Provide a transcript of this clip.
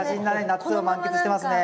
夏を満喫してますね。